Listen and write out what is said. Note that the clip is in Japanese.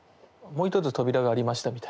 もう一つ扉がありました